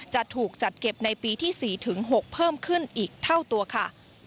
จะถูกจัดเก็บในปีที่๔๖เพิ่มขึ้นอีกเท่าตัวค่ะ